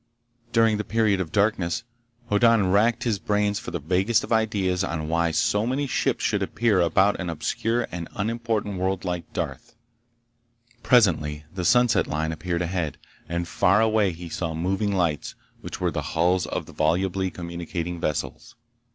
During the period of darkness, Hoddan racked his brains for the vaguest of ideas on why so many ships should appear about an obscure and unimportant world like Darth. Presently the sunset line appeared ahead, and far away he saw moving lights which were the hulls of the volubly communicating vessels.